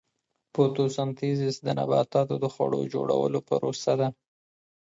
فوتوسنتیز د نباتاتو د خوړو جوړولو پروسه ده